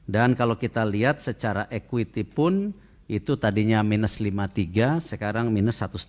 dan kalau kita lihat secara equity pun itu tadinya minus lima tiga sekarang minus satu lima